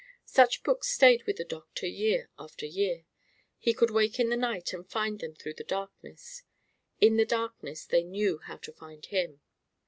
Such books stayed with the doctor year after year. He could wake in the night and find them through the darkness; in the darkness they knew how to find him.